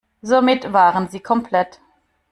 Somit waren sie komplett.